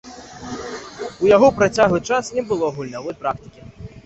У яго працяглы час не было гульнявой практыкі.